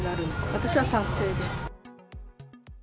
私は賛成です。